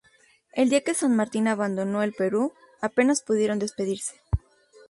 El día que San Martín abandonó el Perú, apenas pudieron despedirse.